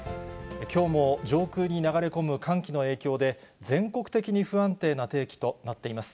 きょうも上空に流れ込む寒気の影響で、全国的に不安定な天気となっています。